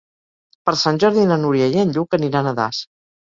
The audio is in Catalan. Per Sant Jordi na Núria i en Lluc aniran a Das.